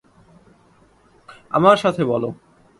আমার সাথে বলো।